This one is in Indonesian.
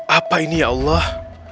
apa ini ya allah